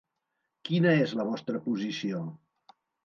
Quina és la vostra posició?